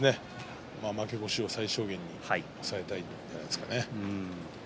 負け越しを最小限に抑えたいんじゃないですかね。